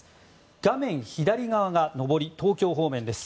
画面左側が上り、東京方面です。